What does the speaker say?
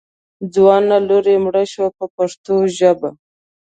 ځوانه لور یې مړه شوه په پښتو ژبه.